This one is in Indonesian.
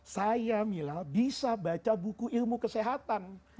saya mila bisa baca buku ilmu kesehatan